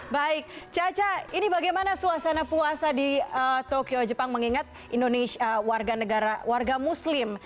baik caca ini bagaimana suasana puasa di tokyo jepang mengingat warga negara warga muslim